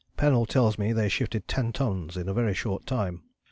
Pennell tells me they shifted 10 tons in a very short time.